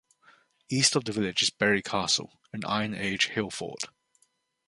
East of the village is Bury Castle, an Iron Age hill fort.